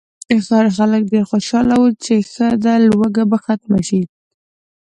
خلک ډېر خوشاله وو چې ښه دی لوږه به ختمه شي.